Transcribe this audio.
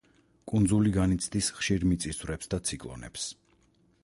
კუნძული განიცდის ხშირ მიწისძვრებს და ციკლონებს.